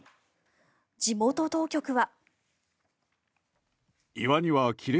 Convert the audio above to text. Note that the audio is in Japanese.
地元当局は。